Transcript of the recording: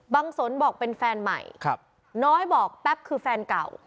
สนบอกเป็นแฟนใหม่น้อยบอกแป๊บคือแฟนเก่า